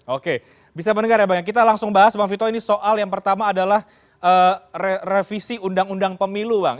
oke bisa mendengar ya bang kita langsung bahas bang vito ini soal yang pertama adalah revisi undang undang pemilu bang